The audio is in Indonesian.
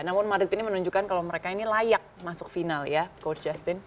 namun madrid ini menunjukkan kalau mereka ini layak masuk final ya coach justin